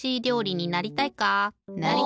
なりたい。